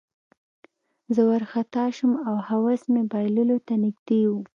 زه وارخطا شوم او حواس مې بایللو ته نږدې وو